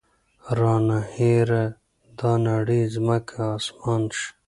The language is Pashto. رانه هېره دا نړۍ ځمکه اسمان شي